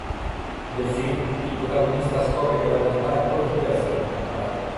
Nel film, il protagonista scopre che la realtà è molto diversa da come appare.